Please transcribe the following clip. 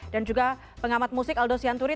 dan juga pengamat musik aldo sianturi